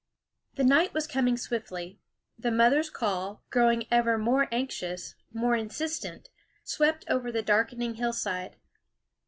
The night was coming swiftly. The mother's call, growing ever more anxious, more insistent, swept over the darkening hill side.